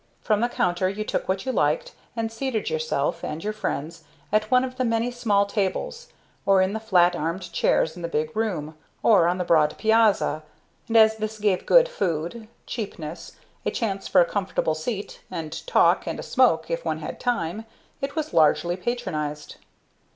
From the counter you took what you liked, and seated yourself, and your friends, at one of the many small tables or in the flat armed chairs in the big room, or on the broad piazza; and as this gave good food, cheapness, a chance for a comfortable seat and talk and a smoke, if one had time, it was largely patronized.